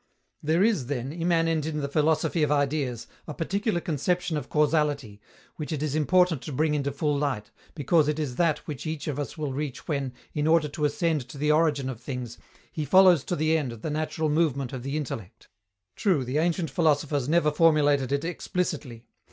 There is, then, immanent in the philosophy of Ideas, a particular conception of causality, which it is important to bring into full light, because it is that which each of us will reach when, in order to ascend to the origin of things, he follows to the end the natural movement of the intellect. True, the ancient philosophers never formulated it explicitly.